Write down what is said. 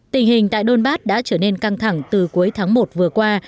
tình hình tại đôn bát đã trở nên căng thẳng từ cuối tháng một vừa qua